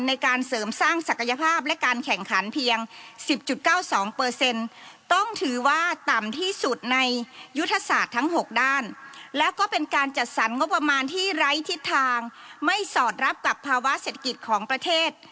ในการเสริมสร้างศักยภาพและการแข่งขันเพียงสิบจุดเก้าสองเปอร์เซ็นต์